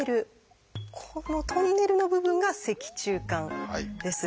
このトンネルの部分が「脊柱管」です。